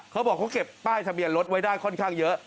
เขาบอกเขาเก็บป้ายทะเบียนรถไว้ได้ค่อนข้างเยอะ